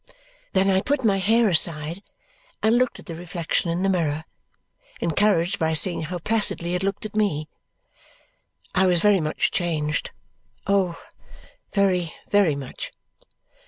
Then I put my hair aside and looked at the reflection in the mirror, encouraged by seeing how placidly it looked at me. I was very much changed oh, very, very much.